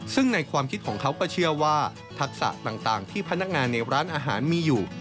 ซึ่งในความคิดของเขาก็เชื่อว่าทักษะต่างที่พนักงานในร้านอาหารมีอยู่